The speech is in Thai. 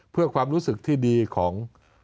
เพื่อความรู้สึกที่ดีของ